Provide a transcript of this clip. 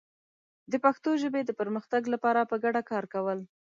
د پښتو ژبې د پرمختګ لپاره په ګډه کار کول